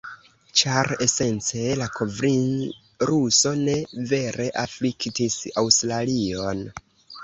ĉar esence la kronviruso ne vere afliktis Aŭstralion.